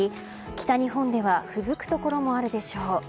北日本ではふぶくところもあるでしょう。